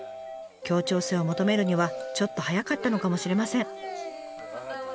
協調性を求めるにはちょっと早かったのかもしれません。